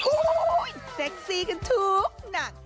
โอ้โหเซ็กซี่กันทุกหนัก